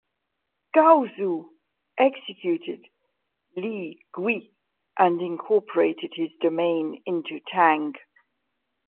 Gaozu executed Li Gui and incorporated his domain into Tang.